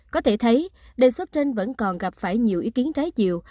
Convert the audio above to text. có thể thấy đề xuất trên vẫn còn gặp phải nhiều ý kiến trái chiều